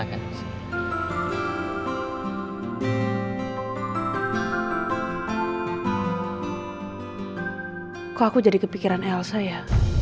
aku jadi kepikiran elsa ya